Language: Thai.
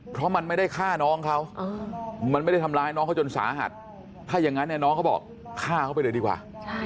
เพราะมันไม่ได้ฆ่าน้องเขามันไม่ได้ทำร้ายน้องเขาจนสาหัสถ้าอย่างนั้นเนี่ยน้องเขาบอกฆ่าเขาไปเลยดีกว่า